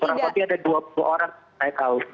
kurang lebih ada dua puluh orang saya tahu